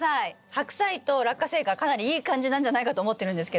ハクサイとラッカセイがかなりいい感じなんじゃないかと思ってるんですけど。